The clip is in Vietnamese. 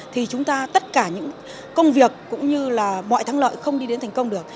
thì chúng ta tất cả những công việc cũng như là mọi thắng lợi không đi đến thành công được